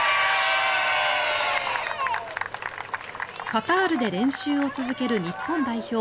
カタールで練習を続ける日本代表。